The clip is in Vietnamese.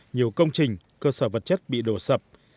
nhiều công trình cơ sở vật chất bị đổ sập